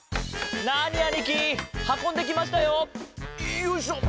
よいしょ。